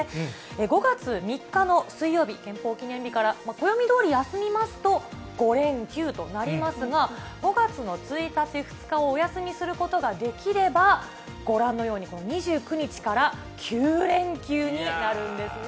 ５月３日の水曜日、憲法記念日から、暦どおり休みますと５連休となりますが、５月の１日、２日をお休みすることができれば、ご覧のようにこの２９日から９連休になるんですね。